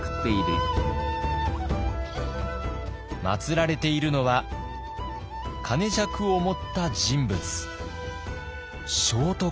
まつられているのは曲尺を持った人物。